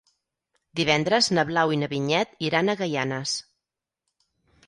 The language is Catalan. Divendres na Blau i na Vinyet iran a Gaianes.